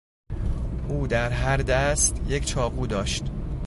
او در هر دست یک چاقو داشت.